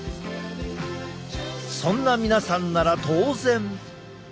そんな皆さんなら当然。